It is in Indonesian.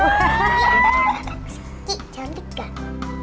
cik cik cantik gak